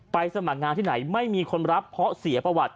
สมัครงานที่ไหนไม่มีคนรับเพราะเสียประวัติ